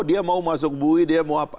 dia mau masuk bui dia mau apa